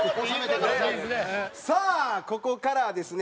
さあここからはですね